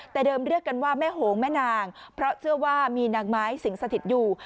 แต่เดิมเรียกกันว่าแม่โหงแม่นางเพราะเชื่อว่ามีนางไม้สิงสถิตอยู่